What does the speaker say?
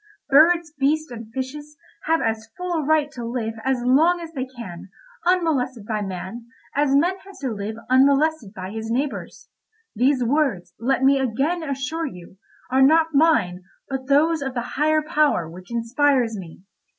Birds, beasts, and fishes, have as full a right to live as long as they can unmolested by man, as man has to live unmolested by his neighbours. These words, let me again assure you, are not mine, but those of the higher power which inspires me.